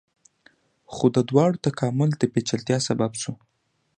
خو د دواړو تکامل د پیچلتیا سبب شو.